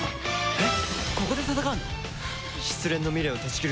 えっ？